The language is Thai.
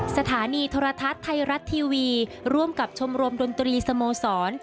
สถานีโทรทัศน์ไทยรัฐทีวีร่วมกับชมรมดนตรีสโมสร